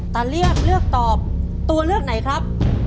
เลือดเลือกตอบตัวเลือกไหนครับ